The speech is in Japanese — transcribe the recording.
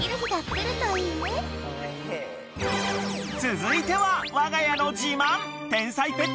［続いては］